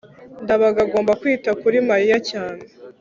ndabaga agomba kwita kuri mariya cyane